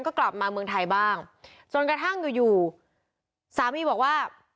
ก็กลับมาเมืองไทยบ้างจนกระทั่งอยู่อยู่สามีบอกว่า